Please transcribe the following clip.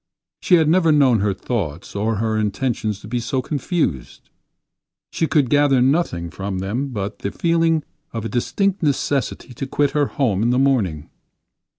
She had never known her thoughts or her intentions to be so confused. She could gather nothing from them but the feeling of a distinct necessity to quit her home in the morning.